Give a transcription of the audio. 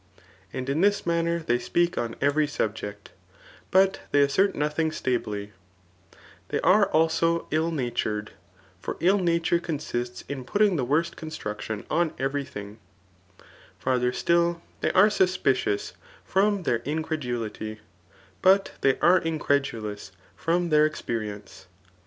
And m this manner they speak on every subject ;' biit they assert nothing stably* Hiey are also illnatured; for ilinature consists in putting the worst construction on every, thing, Farther still, they are suspicious from thepr: incredulity, but they are incredulous from ther ex ferieiice.